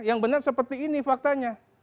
yang benar seperti ini faktanya